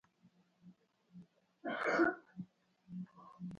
له جمعه خان څخه مې وپوښتل، ته ګټونکی شوې؟